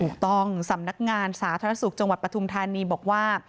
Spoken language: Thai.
ถูกต้องสำนักงานสาธารณสุรกษ์จังหวัดปฐุมธานีบอกว่า